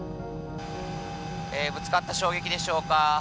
ぶつかった衝撃でしょうか。